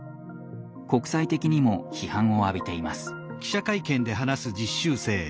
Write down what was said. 国際的にも批判を浴びています。